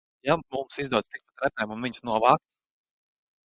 Ja mums izdodas tikt pa trepēm un viņus novākt?